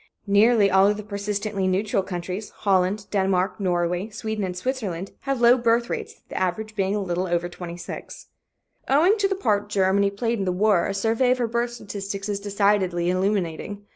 Nearly all of the persistently neutral countries Holland, Denmark, Norway, Sweden and Switzerland have low birth rates, the average being a little over 26. Owing to the part Germany played in the war, a survey of her birth statistics is decidedly illuminating.